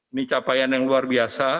ini capaian yang luar biasa